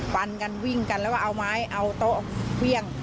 ฟันกันวิ่งกันแล้วก็เอาไม้เอาโต๊ะเครื่อง